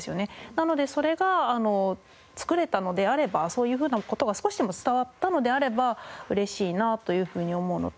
なのでそれが作れたのであればそういうふうな事が少しでも伝わったのであれば嬉しいなというふうに思うのと。